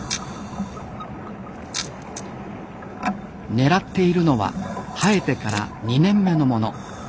狙っているのは生えてから２年目のもの。